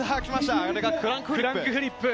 クランクフリップ。